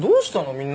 みんな。